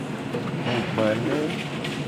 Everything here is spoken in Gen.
Mu gba ne.